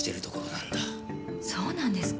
そうなんですか。